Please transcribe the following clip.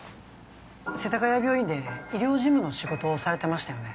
世田谷病院で医療事務の仕事をされてましたよね？